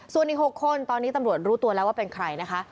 ส่วนอีก๖คนตอนนี้ตำรวจรู้ตัวแล้วว่าเป็นใครนะคะ